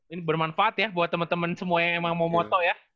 ini bermanfaat ya buat temen temen semua yang emang mau foto ya